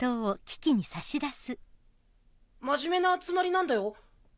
まじめな集まりなんだよ。